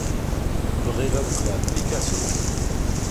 Bɣiɣ ad qqleɣ d Picasso.